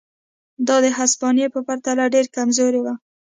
دا د هسپانیې په پرتله ډېره کمزورې وه.